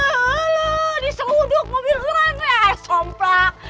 aduh di seuduk mobil keren eh somplak